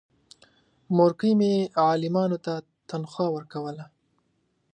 مورکۍ مې عالمانو ته تنخوا ورکوله.